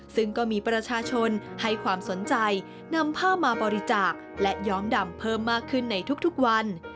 ซึ่งก็มีประชาชนให้ความสนใจนำผ้ามาบริจาคและย้อมดำเพิ่มมากขึ้นในทุกวัน